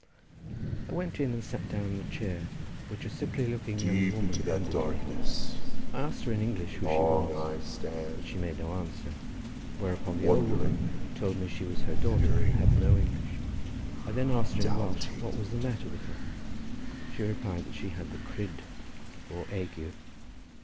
I went in and sat down on a chair which a sickly looking young woman handed to me. I asked her in English who she was, but she made no answer, whereupon the old woman told me that she was her daughter and had no English. I then asked her in Welsh what was the matter with her; she replied that she had the cryd or ague.